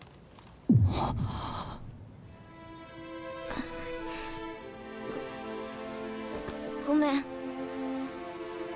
はっ。ごめん。